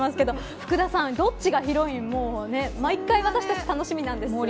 福田さん、どっちがヒロイン？も毎回、私達楽しみです。